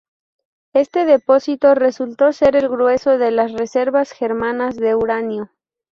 Este depósito resultó ser el grueso de las reservas germanas de uranio.